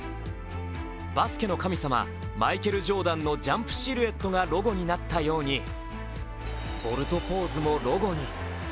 バスケの神様、マイケル・ジョーダンのジャンプシルエットがロゴになったように、ボルトポーズもロゴに。